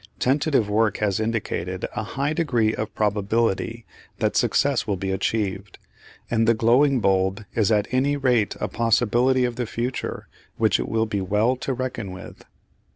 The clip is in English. Tentative work has indicated a high degree of probability that success will be achieved, and the glowing bulb is at any rate a possibility of the future which it will be well to reckon with.